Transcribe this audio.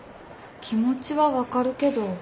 気持ちは分かるけど。